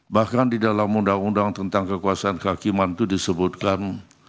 bahkan di dalam undang undang tentang kekuasaan kehakiman itu disebutkan